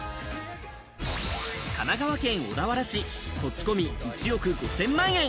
神奈川県小田原市、土地込み、１億５０００万円。